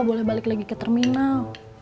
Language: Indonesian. aku gak boleh balik lagi ke terminal